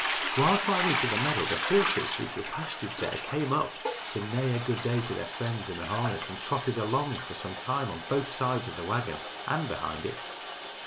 While driving through the meadow the horses, which were pastured there, came up to neigh a good day to their friends in the harness and trotted along for some time on both sides of the wagon and behind it.